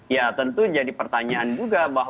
ya tentu jadi pertanyaan juga